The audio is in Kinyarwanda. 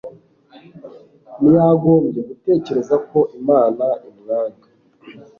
ntiyagombye gutekereza ko imana imwanga